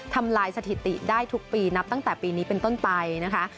ทำลายสถิติได้ทุกปีนับตั้งแต่ปีนี้เป็นต้นไปนะคะ